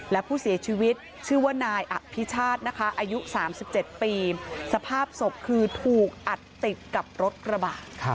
และผู้เสียชีวิตชื่อว่านายอภิชาตินะคะอายุ๓๗ปีสภาพศพคือถูกอัดติดกับรถกระบะ